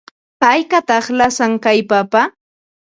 ¿Haykataq lasan kay papa?